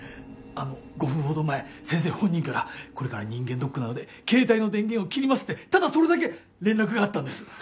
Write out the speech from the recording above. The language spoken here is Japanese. あの５分ほど前先生本人からこれから人間ドックなので携帯の電源を切りますってただそれだけ連絡があったんです。